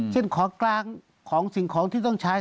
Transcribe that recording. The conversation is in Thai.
ของกลางของสิ่งของที่ต้องใช้